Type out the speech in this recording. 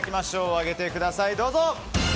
上げてください、どうぞ。